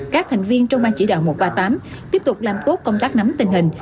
các thành viên trong ban chỉ đạo một trăm ba mươi tám tiếp tục làm tốt công tác nắm tình hình